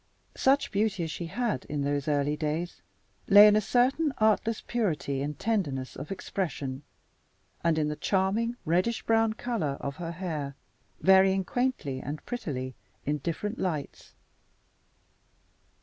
Such beauty as she had, in those early days, lay in a certain artless purity and tenderness of expression, and in the charming reddish brown color of her hair, varying quaintly and prettily in different lights.